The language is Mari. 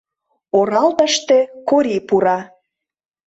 Оралтыште Корий пура.